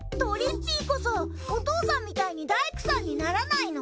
ぴいこそお父さんみたいに大工さんにならないの？